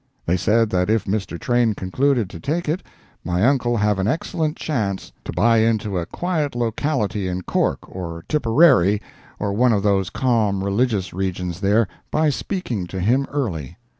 They said that if Mr. Train concluded to take it, my uncle have an excellent chance to buy into a quiet locality in Cork, or Tipperary, or one of those calm, religious regions there, by speaking to him early.